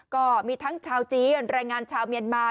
ก็มีทั้งชาวจีนแรงงานชาวเมียนมา